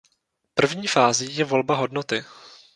První fází je volba hodnoty.